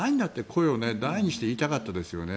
声を大にして言いたかったですよね。